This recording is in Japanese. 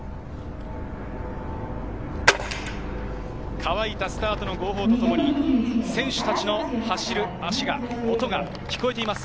乾いたスタートの号砲とともに選手たちの走る音が聞こえています。